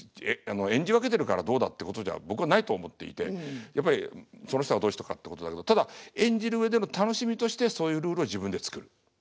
演じ分けてるからどうだってことじゃ僕はないって思っていてやっぱりその人がどうしたかってことだけどただ演じる上での楽しみとしてそういうルールを自分で作る。